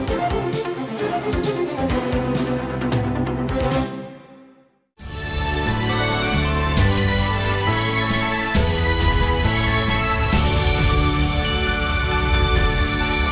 hẹn gặp lại